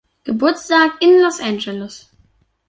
Geburtstag in Los Angeles.